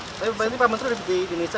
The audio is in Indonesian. tapi pak menteri di indonesia ya